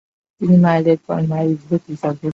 তিনি মাইলের পর মাইল ঘুরে কৃষকদের চিকিৎসা করেছেন।